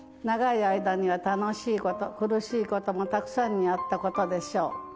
長い間には楽しいこと苦しいこともたくさんにあったことでしょう。